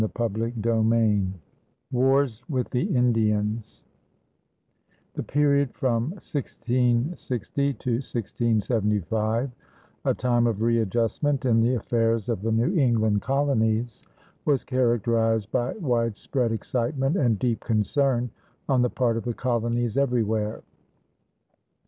CHAPTER VIII WARS WITH THE INDIANS The period from 1660 to 1675, a time of readjustment in the affairs of the New England colonies, was characterized by widespread excitement and deep concern on the part of the colonies everywhere.